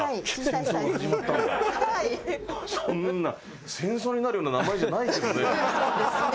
そんな戦争になるような名前じゃないけどね。